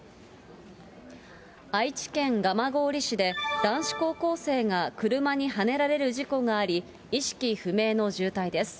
愛知県蒲郡市で、男子高校生が車にはねられる事故があり、意識不明の重体です。